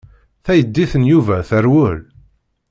Taydit n Yuba terwel.